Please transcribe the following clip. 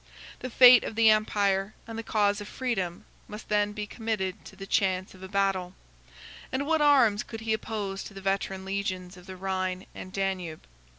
The fate of the empire and the cause of freedom must then be committed to the chance of a battle; and what arms could he oppose to the veteran legions of the Rhine and Danube?